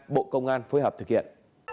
bộ công an phối hợp thực hiện